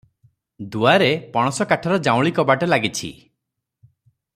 ଦୁଆରେ ପଣସ କାଠର ଯାଉଁଳି କବାଟ ଲାଗିଛି ।